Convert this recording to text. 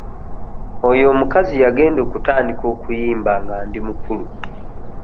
Oyo omukazi yagenda okutandika okuyimba nga ndi mukulu.